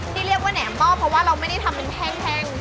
ที่เรียกว่าแหนมหม้อเพราะว่าเราไม่ได้ทำเป็นแห้ง